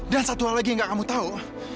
dan satu hal lagi yang nggak kamu tahu